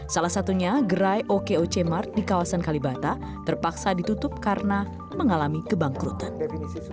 salah satunya gerai oke oce mart di kawasan kalibata terpaksa ditutup karena mengalami kondisi